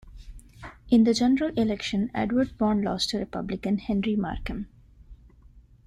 In the general election, Edward Pond lost to Republican, Henry Markham.